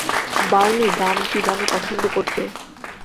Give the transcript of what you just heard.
Bernie gum চিবানো পছন্দ করত।